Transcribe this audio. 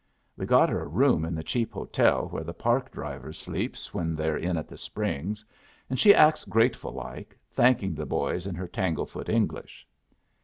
We got her a room in the cheap hotel where the Park drivers sleeps when they're in at the Springs, and she acted grateful like, thanking the boys in her tanglefoot English.